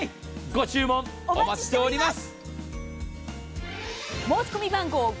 ご注文お待ちしております。